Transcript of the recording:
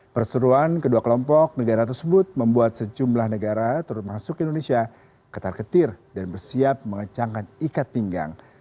perseruan kedua kelompok negara tersebut membuat sejumlah negara termasuk indonesia ketar ketir dan bersiap mengecangkan ikat pinggang